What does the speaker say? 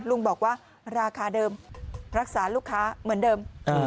ลุงบอกว่าราคาเดิมรักษาลูกค้าเหมือนเดิม